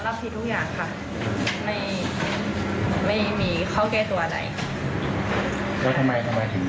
เมื่อกี้ที่ถามมาเราเสียใจกับเหตุการณ์ที่เกิดขึ้นไหม